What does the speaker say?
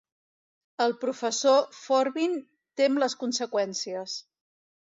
El professor Forbin tem les conseqüències.